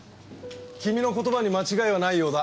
君の言葉に間違いはないようだ。